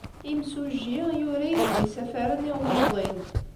Imsujji yura-as-d isafaren i umuḍin.